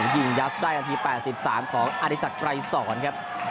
ยิงยัดไส้นาที๘๓ของอธิสักไกรสอนครับ